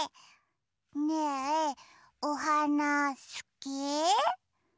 ねえおはなすき？